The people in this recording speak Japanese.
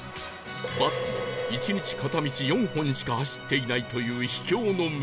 バスも１日片道４本しか走っていないという秘境の村に